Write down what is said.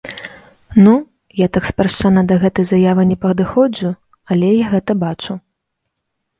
Ну, я так спрошчана да гэтай заявы не падыходжу, але я гэта бачу.